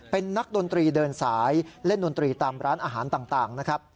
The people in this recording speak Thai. เป็นนักดนตรีเดินสายเล่นดนตรีตามร้านอาหารต่างนะครับ